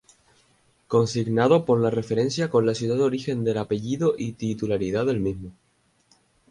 Consignado por la referencia con la ciudad origen del apellido y titularidad del mismo.